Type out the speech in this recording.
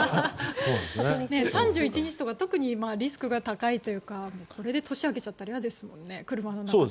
３１日とか特にリスクが高いというかこれで年明けちゃったら嫌ですよね、車の中で。